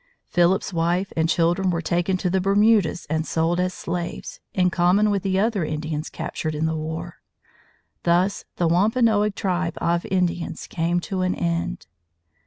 Philip's wife and children were taken to the Bermudas and sold as slaves, in common with the other Indians captured in the war. Thus the Wampanoag tribe of Indians came to an end.